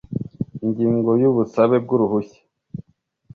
Ingingo ya Ubusabe bw uruhushya